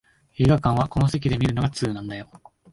映画館はこの席で観るのが通なんだよ